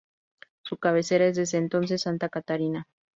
Su cabecera es, desde entonces, Santa Catarina.